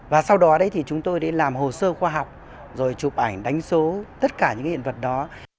và sau đó chúng tôi làm hồ sơ khoa học rồi chụp ảnh đánh số tất cả những hiện vật đó